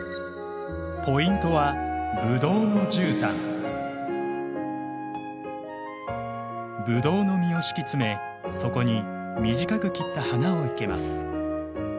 ポイントはブドウの実を敷き詰めそこに短く切った花を生けます。